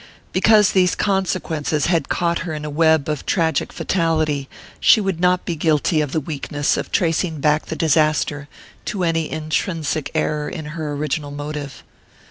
Because these consequences had caught her in a web of tragic fatality she would not be guilty of the weakness of tracing back the disaster to any intrinsic error in her original motive.